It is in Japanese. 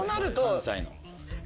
関西の。